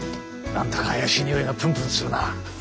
何だか怪しいにおいがプンプンするな。